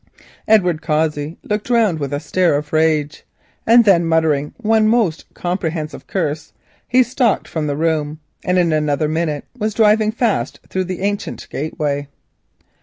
Edward Cossey looked round with a stare of rage. Then muttering one most comprehensive curse he stalked from the room, and in another minute was driving fast through the ancient gateway.